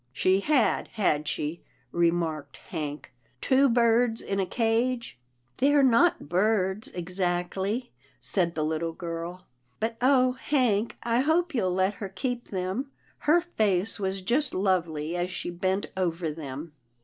" She had, had she," remarked Hank, " two birds in a cage? "" They're not birds exactly," said the little girl, "but oh! Hank, I hope you'll let her keep them. Her face was just lovely as she bent over them."